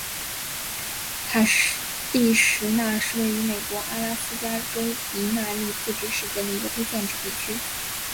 坎蒂什纳是位于美国阿拉斯加州迪纳利自治市镇的一个非建制地区。